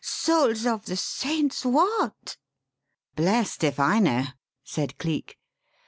souls of the saints, what?" "Blest if I know," said Cleek.